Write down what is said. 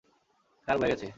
কার বয়ে গেছে?